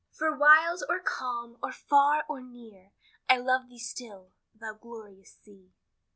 "For wild, or calm, or far or near, I love thee still, thou glorious sea."